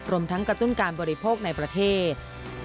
รวมทั้งกระตุ้นการบริโภคในประเทศ